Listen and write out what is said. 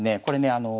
これね